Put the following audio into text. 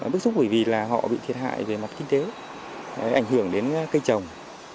bức xúc bởi vì là họ bị thiệt hại về mặt kinh tế ảnh hưởng đến cây trồng